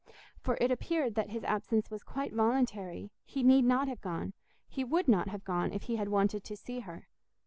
For it appeared that his absence was quite voluntary; he need not have gone—he would not have gone if he had wanted to see her.